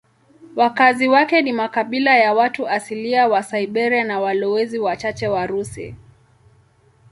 Wakazi wake ni makabila ya watu asilia wa Siberia na walowezi wachache Warusi.